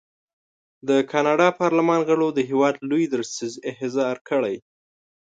د کاناډا پارلمان غړو د هېواد لوی درستیز احضار کړی.